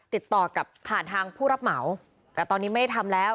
ติดต่อกับผ่านทางผู้รับเหมาแต่ตอนนี้ไม่ได้ทำแล้ว